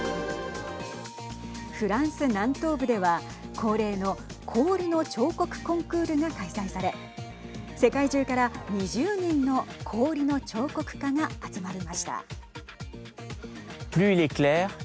フランス南東部では恒例の氷の彫刻コンクールが開催され世界中から２０人の氷の彫刻家が集まりました。